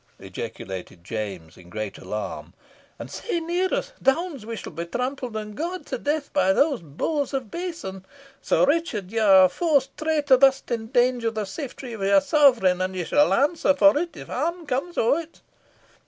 ejaculated James, in great alarm; "and sae near us. Zounds! we shall be trampled and gored to death by these bulls of Basan. Sir Richard, ye are a fause traitor thus to endanger the safety o' your sovereign, and ye shall answer for it, if harm come o' it."